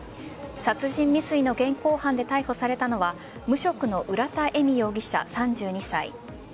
殺人未遂の現行犯で逮捕されたのは無職の浦田恵美容疑者、３２歳。